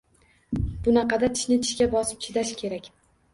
Bunaqada tishni tishga bosib chidash kerak